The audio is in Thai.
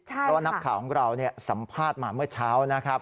เพราะว่านักข่าวของเราสัมภาษณ์มาเมื่อเช้านะครับ